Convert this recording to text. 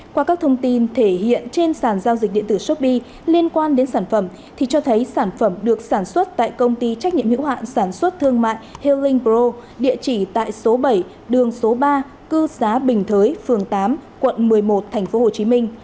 qua các thông tin thể hiện trên sàn giao dịch điện tử shopee liên quan đến sản phẩm thì cho thấy sản phẩm được sản xuất tại công ty trách nhiệm hữu hạn sản xuất thương mại hering pro địa chỉ tại số bảy đường số ba cư xá bình thới phường tám quận một mươi một tp hcm